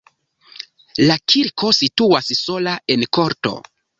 La kirko situas sola en korto.